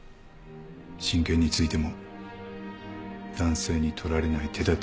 親権についても男性に取られない手だてがある。